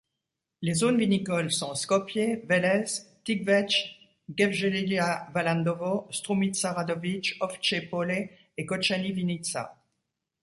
Les zones vinicoles sont Skopje, Vélès, Tikvech, Gevgelija-Valandovo, Stroumitsa-Radovich, Ovtché Polé et Kotchani-Vinitsa.